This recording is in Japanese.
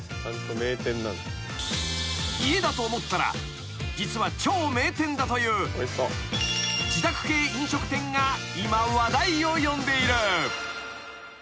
［家だと思ったら実は超名店だという自宅系飲食店が今話題を呼んでいる］